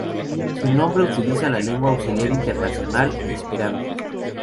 Su nombre utiliza la lengua auxiliar internacional esperanto.